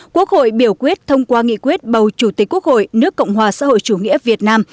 quốc hội biểu quyết thông qua nghị quyết bầu chủ tịch quốc hội nước cộng hòa xã hội chủ nghĩa việt nam